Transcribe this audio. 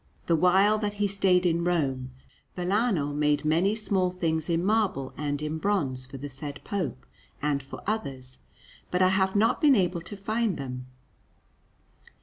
The while that he stayed in Rome, Vellano made many small things in marble and in bronze for the said Pope and for others, but I have not been able to find them.